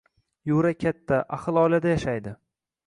Yura katta, ahil oilada yashaydi